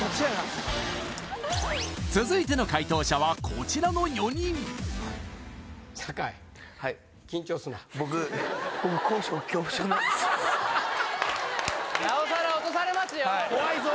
続いての解答者はこちらの４人僕怖いぞ